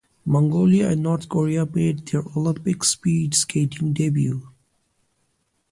Mongolia and North Korea made their Olympic speed skating debuts.